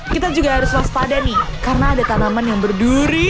kita juga harus waspada nih karena ada tanaman yang berduri